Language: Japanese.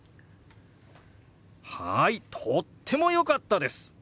はいとっても良かったです！